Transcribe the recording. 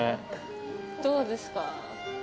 どうですか？